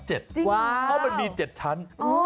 เพราะมันมี๗ชั้น